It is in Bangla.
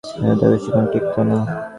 কিন্তু তা বেশিক্ষণ টিকত না।